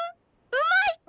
うまい！